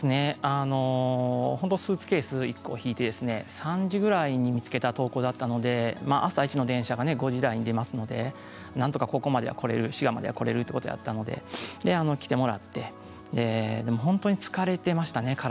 スーツケース１個引いて３時ぐらいに見つけた投稿だったので朝一の電車が５時台に出ますのでなんとかここまでは来られる滋賀県までは来られるということなので、来てもらって本当に疲れていましたね